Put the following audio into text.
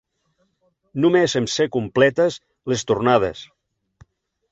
Només em sé completes les tornades.